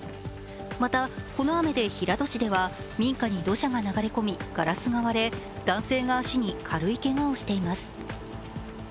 また、この雨で平戸市では民家に土砂が流れ込みガラスが割れ、男性が足に軽いけがをしています。